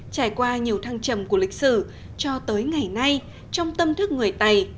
trải qua nhiều thăng trầm của lịch sử cho tới ngày nay trong tâm thức người tày